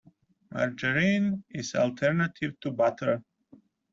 Margarine is an alternative to butter.